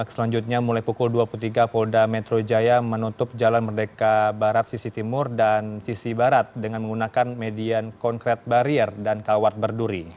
selanjutnya mulai pukul dua puluh tiga polda metro jaya menutup jalan merdeka barat sisi timur dan sisi barat dengan menggunakan median konkret barier dan kawat berduri